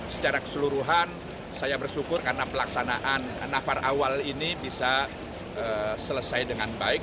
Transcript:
secara keseluruhan saya bersyukur karena pelaksanaan nafar awal ini bisa selesai dengan baik